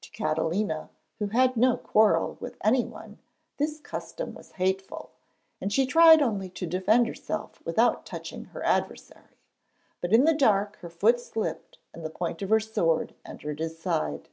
To Catalina, who had no quarrel with any one, this custom was hateful, and she tried only to defend herself without touching her adversary. But in the dark her foot slipped and the point of her sword entered his side.